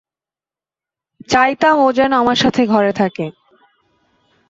চাইতাম ও যেন আমার সাথে ঘরে থাকে।